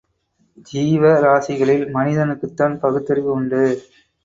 ஜீவராசிகளில் மனிதனுக்குத்தான் பகுத்தறிவு உண்டு.